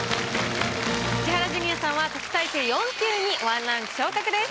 千原ジュニアさんは特待生４級に１ランク昇格です。